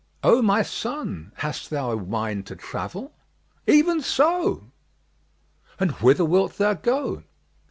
'" "O my son, hast thou a mind to travel?" "Even so!" "And whither wilt thou go?"